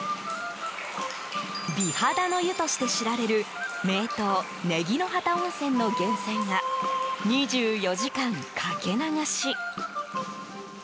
美肌の湯として知られる名湯祢宜ノ畑温泉の源泉が２４時間、かけ流し。